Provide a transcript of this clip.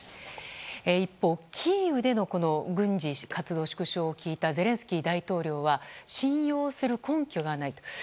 一方、キーウでの軍事活動縮小を聞いたゼレンスキー大統領は信用する根拠がないと。